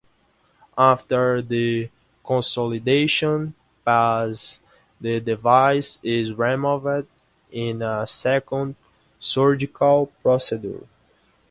After the consolidation phase, the device is removed in a second surgical procedure.